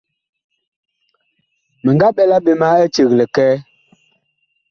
Mi nga ɓɛla ɓe ma éceg likɛɛ.